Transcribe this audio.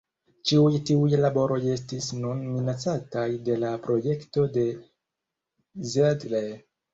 Ĉiuj tiuj laboroj estis nun minacataj de la projekto de Zedler.